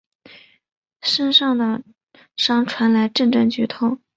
身上的伤传来阵阵剧痛